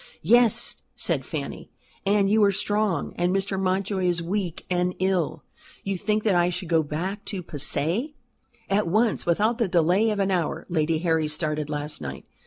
"Yes," said Fanny. "And you are strong, and Mr. Mountjoy is weak and ill." "You think that I should go back to Passy?" "At once, without the delay of an hour. Lady Harry started last night.